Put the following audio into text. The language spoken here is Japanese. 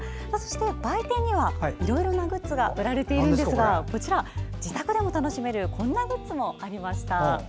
売店には、いろいろなグッズが売られているんですが自宅でも楽しめるこんなグッズもありました。